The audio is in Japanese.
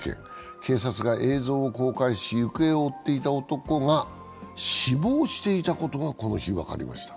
警察が映像を公開し、行方を追っていた男が死亡していたことがこの日、分かりました。